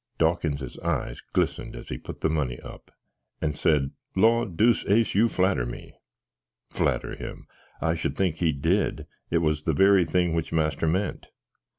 Dawkinses eyes glissened as he put the money up, and said, "Law, Deuceace, you flatter me." Flatter him! I should think he did. It was the very thing which master ment.